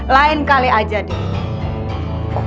lain kali aja deh